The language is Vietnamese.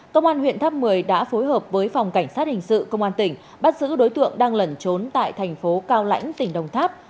công an huyện tháp một mươi đã phối hợp với phòng cảnh sát hình sự công an tỉnh bắt giữ đối tượng đang lẩn trốn tại thành phố cao lãnh tỉnh đồng tháp